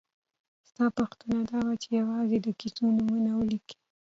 ستا پوښتنه دا وه چې یوازې د کیسو نومونه ولیکئ.